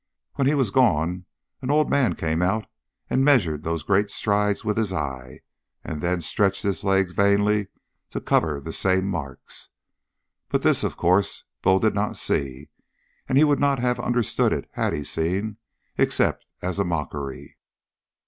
When he was gone an old man came out and measured those great strides with his eye and then stretched his legs vainly to cover the same marks. But this, of course, Bull did not see, and he would not have understood it, had he seen, except as a mockery.